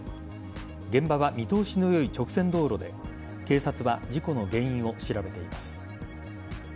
現場は見通しの良い直線道路で警察は事故の原因を調べています。